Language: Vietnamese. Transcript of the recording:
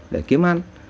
để kiếm ăn